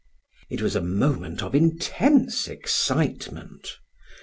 It was a moment of intense excitement.